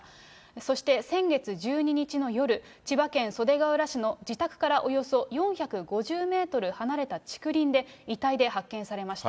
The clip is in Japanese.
そして、先月１２日の夜、千葉県袖ケ浦市の自宅からおよそ４５０メートル離れた竹林で、遺体で発見されました。